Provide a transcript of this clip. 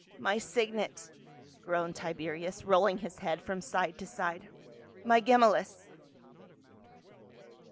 " My signet," groaned Tiberius, rolling his head from side to side, " My Gemellus."